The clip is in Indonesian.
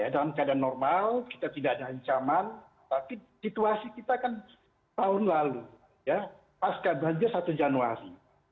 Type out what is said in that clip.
dalam keadaan normal kita tidak ada ancaman tapi situasi kita kan tahun lalu ya pasca banjir satu januari